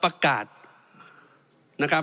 เพราะฉะนั้นโทษเหล่านี้มีทั้งสิ่งที่ผิดกฎหมายใหญ่นะครับ